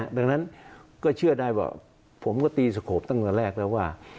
ดังนั้นก็เชื่อได้ว่าผมก็ตีสโขปตั้งแต่แรกแล้วว่า